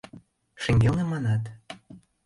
— Шеҥгелне, манат?